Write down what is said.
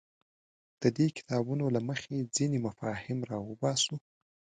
د دې کتابونو له مخې ځینې مفاهیم راوباسو.